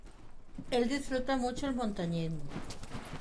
El disfruta mucho el montañismo.